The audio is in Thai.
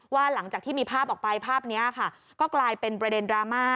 หลังจากที่มีภาพออกไปภาพนี้ค่ะก็กลายเป็นประเด็นดราม่า